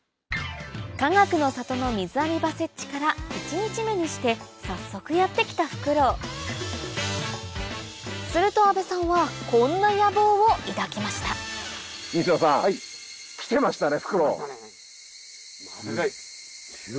かがくの里の水浴び場設置から１日目にして早速やって来たフクロウすると阿部さんはこんな野望を抱きました「運が良ければ」って言ってましたもんね。